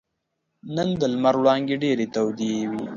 نن د لمر وړانګې ډېرې تودې وې.